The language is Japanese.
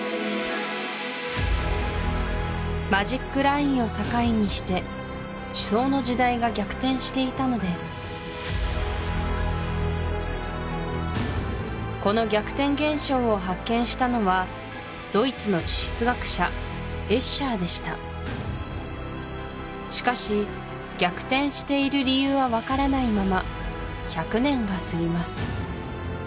マジックラインを境にして地層の時代が逆転していたのですこの逆転現象を発見したのはドイツの地質学者エッシャーでしたしかし逆転している理由は分からないまま１００年が過ぎます